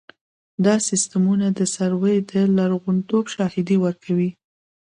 دا سیستمونه د سروې د لرغونتوب شاهدي ورکوي